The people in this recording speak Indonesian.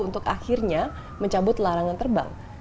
untuk akhirnya mencabut larangan terbang